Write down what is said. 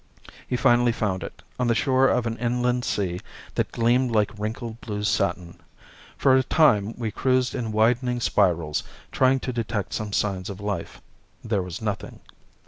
He finally found it, on the shore of an inland sea that gleamed like wrinkled blue satin. For a time we cruised in widening spirals, trying to detect some signs of life. There was nothing.